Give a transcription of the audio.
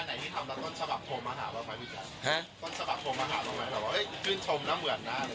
๖๐๐แล้วว่าคืนชมหน้าเหมือนน่ะอะไรอย่างเนี่ย